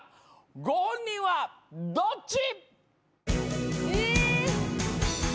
ご本人はどっち？